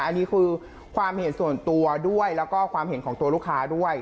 อันนี้คือความเห็นส่วนตัวด้วยแล้วก็ความเห็นของตัวลูกค้าด้วย